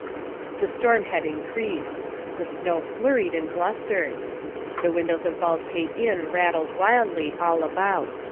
The storm had increased; the snow flurried and blustered; the windows of Baldpate Inn rattled wildly all about.